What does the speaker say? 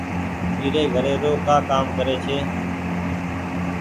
ٻيري گهري رو ڪآ ڪآم ڪري ڇي۔